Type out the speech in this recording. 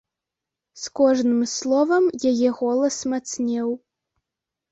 З кожным словам яе голас мацнеў.